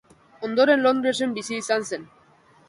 Ondoren Londresen bizi izan zen.